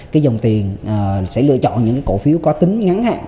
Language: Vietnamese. cái dòng tiền sẽ lựa chọn những cái cổ phiếu có tính ngắn hạn